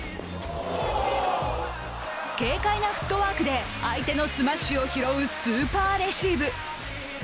軽快なフットワークで、相手のスマッシュを拾うスーパーレシーブ。